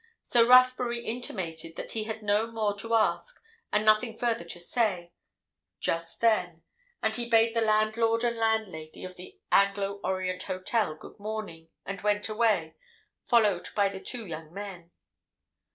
So Rathbury intimated that he had no more to ask, and nothing further to say, just then, and he bade the landlord and landlady of the Anglo Orient Hotel good morning, and went away, followed by the two young men.